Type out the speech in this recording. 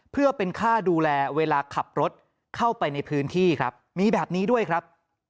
เพื่อเป็นค่าดูแลเวลาขับรถเข้าไปในพื้นที่ครับมีแบบนี้ด้วยครับ